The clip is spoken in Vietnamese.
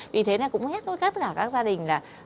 vì thế này cũng hét với tất cả các gia đình là